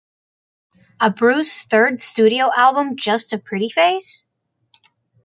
Abreu's third studio album Just a Pretty Face?